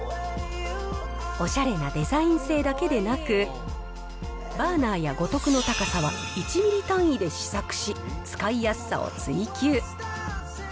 おしゃれなデザイン性だけでなく、バーナーや五徳の高さは１ミリ単位で試作し、使いやすさを追求。